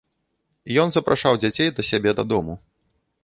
Ён запрашаў дзяцей да сябе дадому.